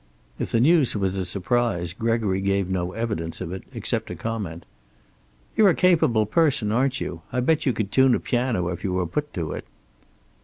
If the news was a surprise Gregory gave no evidence of it, except to comment: "You're a capable person, aren't you? I'll bet you could tune a piano if you were put to it."